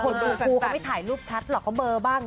ดูครูเขาไม่ถ่ายรูปชัดหรอกเขาเบอร์บ้าง